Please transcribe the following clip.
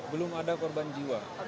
belum ada korban jiwa